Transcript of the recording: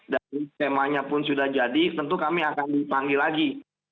dan temanya pun sudah jadi tentu kami akan dipanggil lagi